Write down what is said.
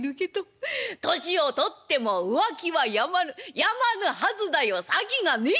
『年を取っても浮気はやまぬやまぬはずだよ先がねえ』